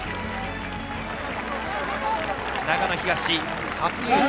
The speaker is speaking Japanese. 長野東、初優勝。